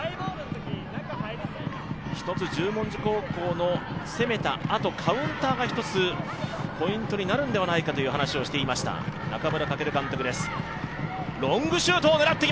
十文字高校の攻めたあとカウンターが１つポイントになるんではないかという話をしていました中村翔監督です。